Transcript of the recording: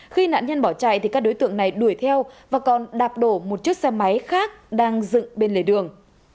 khi nạn nhân bỏ chạy thì các đối tượng này đuổi theo và còn đạp đổ một chiếc xe máy khác đang dựng bên lề đường